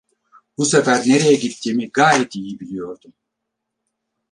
Bu sefer nereye gittiğimi gayet iyi biliyordum.